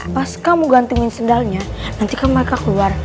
pas kamu gantungin sendalnya nanti kan mereka keluar